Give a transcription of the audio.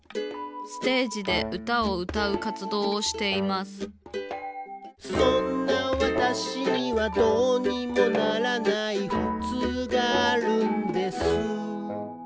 ステージでうたをうたうかつどうをしています「そんな私には、どうにもならない」「ふつうがあるんです」